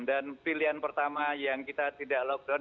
dan pilihan pertama yang kita tidak lockdown